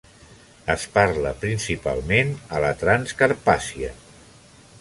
Es parla principalment a la Transcarpàcia.